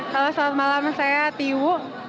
selamat malam saya tiwu